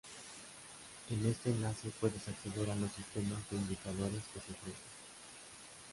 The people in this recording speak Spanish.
En este enlace puedes acceder a los Sistemas de Indicadores que se ofrecen.